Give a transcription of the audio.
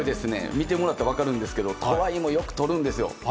見てもらったら分かるんですけど、もよく捕るんですよ。